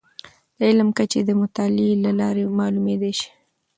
د علم کچې د مطالعې له لارې معلومیدلی شي.